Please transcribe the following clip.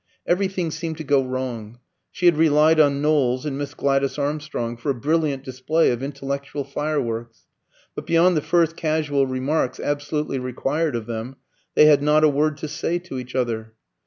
Everything seemed to go wrong. She had relied on Knowles and Miss Gladys Armstrong for a brilliant display of intellectual fireworks; but beyond the first casual remarks absolutely required of them, they had not a word to say to each other.